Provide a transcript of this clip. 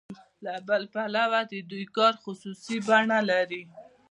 له بل پلوه د دوی کار خصوصي بڼه لري